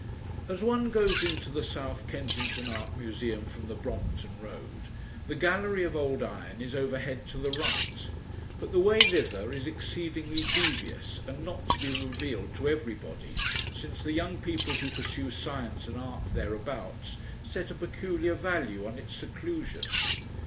As one goes into the South Kensington Art Museum from the Brompton Road, the Gallery of Old Iron is overhead to the right. But the way thither is exceedingly devious and not to be revealed to everybody, since the young people who pursue science and art thereabouts set a peculiar value on its seclusion.